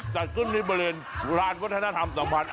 จากขึ้นมีเบลินร้านพัฒนธรรมสมภัณฑ์